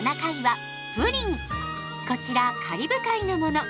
こちらカリブ海のもの。